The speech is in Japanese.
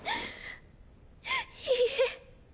っいいえ。